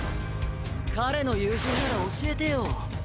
彼の友人なら教えてよ。